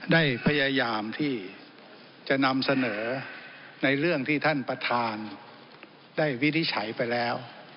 ได้พยายามที่จะนำเสนอในเรื่องที่ท่านประธานได้วินิจฉัยไปแล้ว